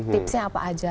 tipsnya apa aja